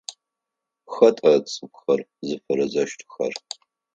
Хэта цӏыфхэр зыфэрэзэщтхэр?